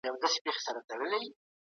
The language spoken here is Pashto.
هیوادونه خپل سفارتونه بې له هدفه نه ساتي.